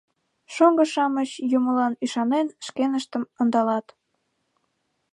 Шоҥго-шамыч юмылан ӱшанен шкеныштым ондалат.